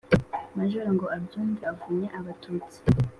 Majoro ngo abyumve avunya Abatutsi,